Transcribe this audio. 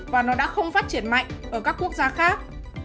và nó đã không phát triển mạnh ở các quốc gia khác